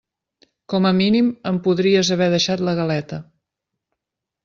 Com a mínim em podries haver deixat la galeta.